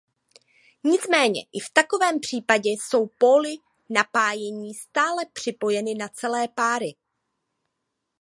Nicméně i v takovém případě jsou póly napájení stále připojeny na celé páry.